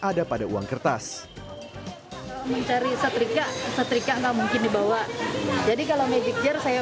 ada pada uang kertas mencari setrika setrika nggak mungkin dibawa jadi kalau magic jer saya